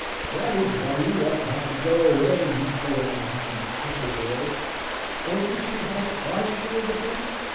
That is why you ought not to go away, you poor, unhappy, simple boy! Don't you see how fond she is of him?